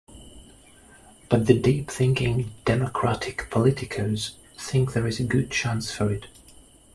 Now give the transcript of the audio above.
But the deep-thinking Democratic politicos think there is a good chance for it.